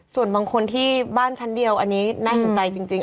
ส่วนบางคนที่บ้านชั้นเดียวอันนี้น่าเห็นใจจริง